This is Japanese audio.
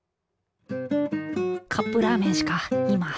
カップラーメンしか今。